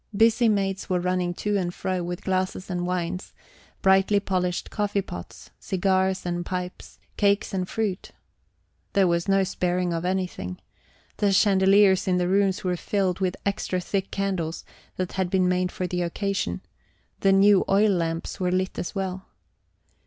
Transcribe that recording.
Busy maids were running to and fro with glasses and wines, brightly polished coffee pots, cigars and pipes, cakes and fruit. There was no sparing of anything. The chandeliers in the rooms were filled with extra thick candles that had been made for the occasion; the new oil lamps were lit as well.